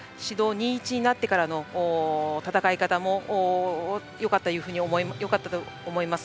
２、１になってからの戦い方もよかったと思います。